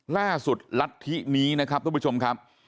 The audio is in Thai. ล่าสุดลัดทินี้นะครับทุกผู้ชมครับ